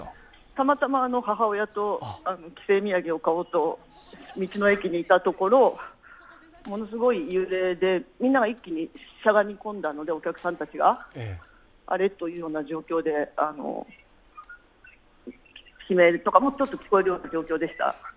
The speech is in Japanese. たまたま母親と帰省土産を買おうと道の駅にいたところものすごい揺れで、みんなが一気にしゃがみ込んだので、お客さんたちが、あれ？というような状況で悲鳴とかもちょっと聞こえるような状況でした。